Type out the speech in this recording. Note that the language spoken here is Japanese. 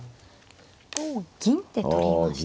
おお銀で取りました。